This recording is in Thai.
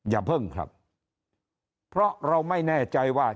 อย่าเพิ่งครับเพราะเราไม่แน่ใจว่า